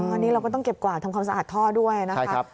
อันนี้เราก็ต้องเก็บกวาดทำความสะอาดท่อด้วยนะครับ